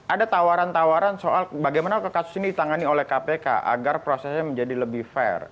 ada tawaran tawaran soal bagaimana kasus ini ditangani oleh kpk agar prosesnya menjadi lebih fair